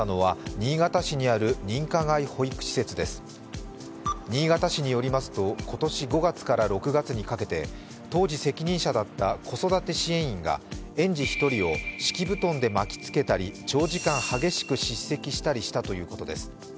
新潟市によりますと今年５月から６月にかけて当時、責任者だった子育て支援員が園児１人を敷布団で巻きつけたり、長時間激しく叱責したということです。